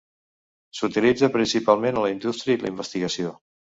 S"utilitza principalment a la indústria i la investigació.